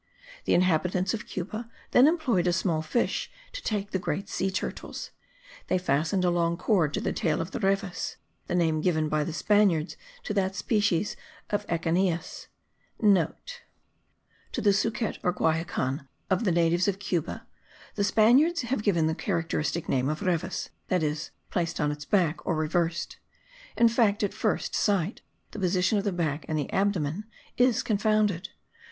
The inhabitants of Cuba then employed a small fish to take the great sea turtles; they fastened a long cord to the tail of the reves (the name given by the Spaniards to that species of Echeneis*). (* To the sucet or guaican of the natives of Cuba the Spaniards have given the characteristic name of reves, that is, placed on its back, or reversed. In fact, at first sight, the position of the back and the abdomen is confounded.